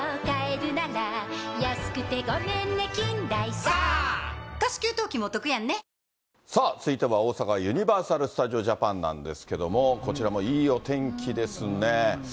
そうですね、呼ばれた、さあ、続いては大阪・ユニバーサル・スタジオ・ジャパンなんですけれども、こちらもいいお天気ですね。